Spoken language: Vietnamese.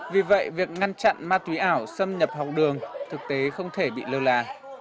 vì vậy việc ngăn chặn ma túy ảo xâm nhập học đường thực tế không thể bị lơ là